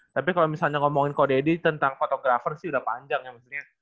tapi kalo misalnya ngomongin ko deddy tentang fotografer sih udah panjang ya maksudnya